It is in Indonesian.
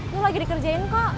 lo lagi dikerjain kok